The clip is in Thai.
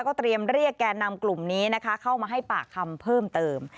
เตรียมเรียกแก่นำกลุ่มนี้นะคะเข้ามาให้ปากคำเพิ่มเติม